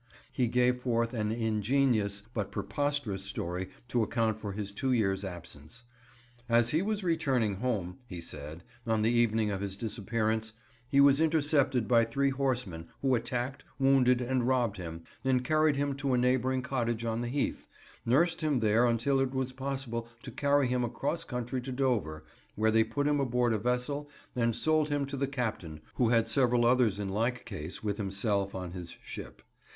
He gave forth an ingenious but preposterous story to account for his two years' absence. As he was returning home, he said, on the evening of his disappearance, he was intercepted by three horsemen who attacked, wounded and robbed him, and carrying him to a neighbouring cottage on the heath, nursed him there until it was possible to carry him across country to Dover, where they put him aboard a vessel and sold him to the captain, who had several others in like case with himself on his ship.